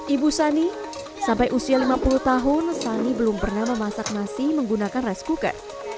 ibu sani sampai usia lima puluh tahun sani belum pernah memasak nasi menggunakan rice cooker